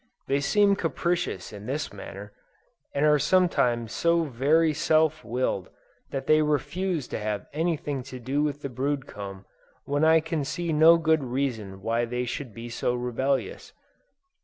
They seem capricious in this matter, and are sometimes so very self willed, that they refuse to have anything to do with the brood comb, when I can see no good reason why they should be so rebellious.